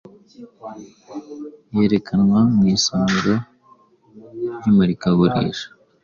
yerekanwa mu isomero ryimurikagurisha